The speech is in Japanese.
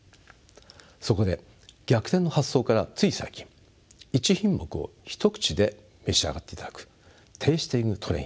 そこで逆転の発想からつい最近１品目を一口で召し上がっていただくＴａｓｔｉｎｇＴｒａｉｎ